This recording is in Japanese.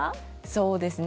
そうですね。